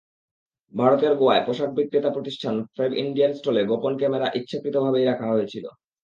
ভারতের গোয়ায় পোশাক বিক্রেতা প্রতিষ্ঠান ফ্যাবইন্ডিয়ার স্টলে গোপন ক্যামেরা ইচ্ছাকৃতভাবেই রাখা হয়েছিল।